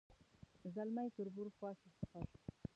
ځلمی تربور خواښې سخر